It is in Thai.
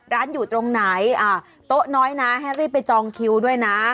ร้านอยู่ตรงไหนโต๊ะน้อยนะให้รีบไปจองคิวด้วยนะ